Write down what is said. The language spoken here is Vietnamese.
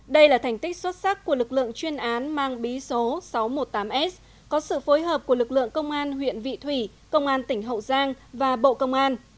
đây là thành tích xuất sắc của lực lượng chuyên án mang bí số sáu trăm một mươi tám s có sự phối hợp của lực lượng công an huyện vị thủy công an tỉnh hậu giang và bộ công an